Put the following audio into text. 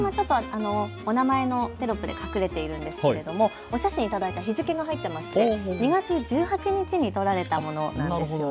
お名前のテロップで隠れているんですけれども、お写真頂いて日付が入っていまして２月１８日に撮られたものなんです。